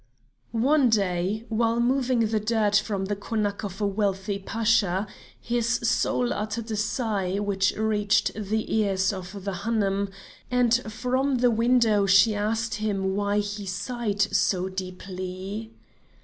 One day, while moving the dirt from the Konak of a wealthy Pasha, his soul uttered a sigh which reached the ears of the Hanoum, and from the window she asked him why he sighed so deeply.